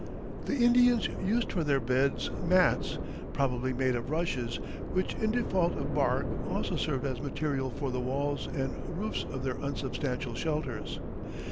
The Indians used for their beds mats, probably made of rushes, which in default of bark also served as material for the walls and roofs of their unsubstantial shelters.